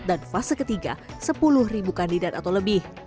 dan fase ketiga sepuluh kandidat atau lebih